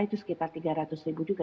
itu sekitar tiga ratus ribu juga